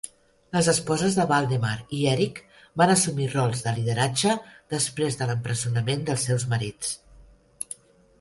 Les esposes de Valdemar i Eric van assumir rols de lideratge després de l'empresonament dels seus marits.